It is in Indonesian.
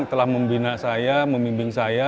telah membina saya membimbing saya